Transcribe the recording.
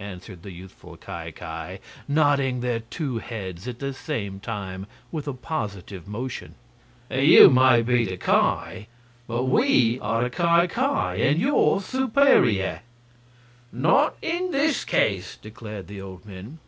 answered the youthful Ki Ki, nodding their two heads at the same time, with a positive motion. "You may be the Ki, but we are the Ki Ki, and your superior." "Not in this case," declared the old men.